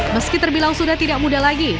meski terbilang sudah tidak muda lagi